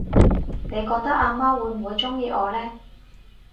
你覺得阿媽會唔會鍾意我呢？